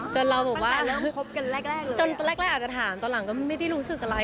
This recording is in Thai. จนเราบอกว่าจนแรกอาจจะถามตอนหลังก็ไม่ได้รู้สึกอะไร